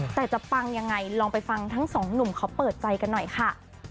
แต่จะปังยังไงลองไปฟังทั้งสองหนุ่มเขาเปิดใจกันหน่อยค่ะ